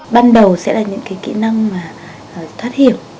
ban đầu sẽ là những cái kỹ năng mà thoát hiểm